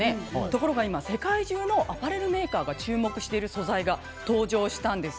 ところが今、世界中のアパレルメーカーが注目している素材が出てきたんです。